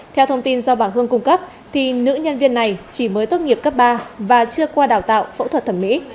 theo thông tin do bà hương cung cấp thì nữ nhân viên này chỉ mới tốt nghiệp cấp ba và chưa qua đào tạo phẫu thuật thẩm mỹ